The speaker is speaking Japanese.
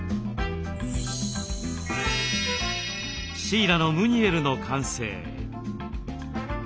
シイラのムニエルの完成。